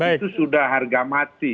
itu sudah harga mati